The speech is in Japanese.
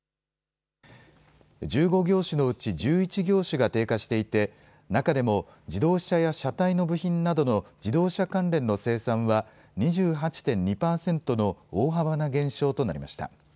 １５業種のうち１１業種が低下していて中でも自動車や車体の部品などの自動車関連の生産は２８．２％の大幅な減少となりました。